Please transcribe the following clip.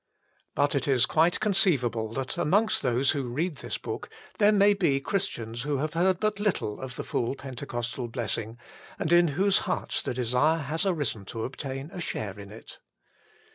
But it is quite conceivable that amongst those who read this book there may be Christians who have heard but little of the full Pentecostal blessing, and in whose hearts the desire has arisen to obtain a share in it.